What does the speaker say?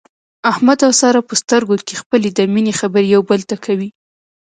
احمد او ساره په سترګو کې خپلې د مینې خبرې یو بل ته کوي.